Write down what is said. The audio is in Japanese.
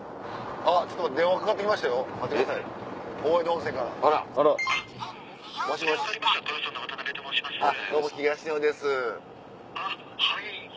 あっはい。